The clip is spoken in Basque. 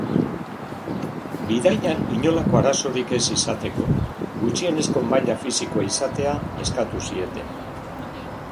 Bidaian inolako arazorik ez izateko, gutxienezko maila fisikoa izatea eskatu zieten.